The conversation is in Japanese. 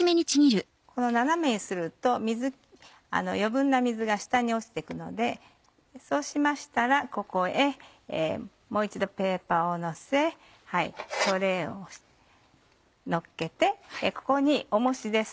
斜めにすると余分な水が下に落ちてくのでそうしましたらここへもう一度ペーパーをのせトレーをのっけてここに重しです